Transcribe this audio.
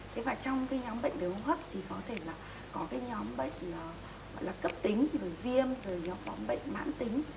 thế mà trong nhóm bệnh đường hô hấp thì có thể là có nhóm bệnh cấp tính viêm nhóm bệnh mãn tính